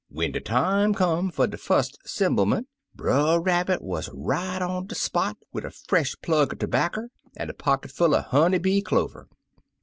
When dc time come fer de fust 'semblement. Brer Rabbit wuz right on de spot, wid a fresh plug er terbacker, an' a pocketful er honey bee clover.